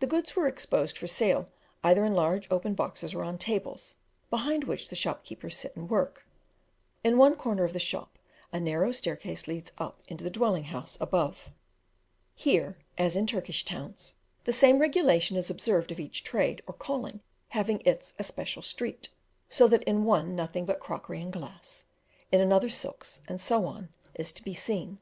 The goods were exposed for sale either in large open boxes or on tables, behind which the shopkeepers sit and work. In one corner of the shop, a narrow staircase leads up into the dwelling house above. Here, as in Turkish towns, the same regulation is observed of each trade or calling having its especial street, so that in one nothing but crockery and glass, in another silks, and so on, is to be seen.